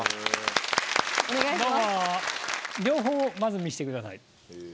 両方まず見せてください。